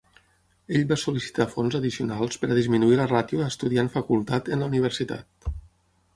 Ell va sol·licitar fons addicionals per a disminuir la ràtio estudiant-facultat en la universitat.